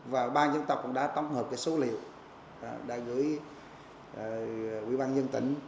và ban dân tộc cũng đã tổng hợp cái số liệu đã gửi ủy ban dân tỉnh